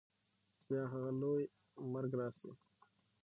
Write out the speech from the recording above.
بیا هغه لوی مرګ راسي